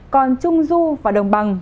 còn trung du và đồng bằng